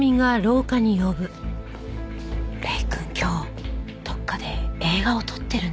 礼くん今日どっかで映画を撮ってるんじゃないかと。